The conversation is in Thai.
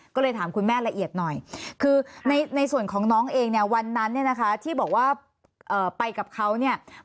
ก็เลยถามคุณแม่ละเอียดหน่อยคือในส่วนของน้องเองเนี่ยวันนั้นเนี่ยนะคะที่บอกว่าไปกับเขาเนี่ย